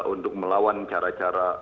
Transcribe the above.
untuk melawan cara cara